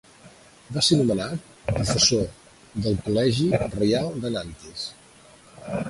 Va ser nomenat professor del Col·legi Reial de Nantes.